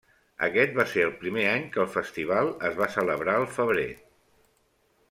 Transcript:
Aquest va ser el primer any que el festival es va celebrar al febrer.